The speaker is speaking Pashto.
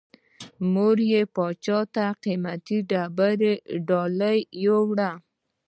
مور یې پاچا ته د قیمتي ډبرو ډالۍ یووړه.